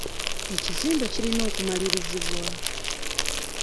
Ekizimbe kirina okumalirizibwa.